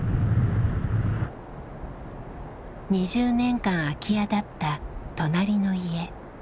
２０年間空き家だった隣の家。